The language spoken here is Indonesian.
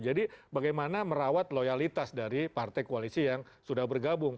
jadi bagaimana merawat loyalitas dari partai koalisi yang sudah bergabung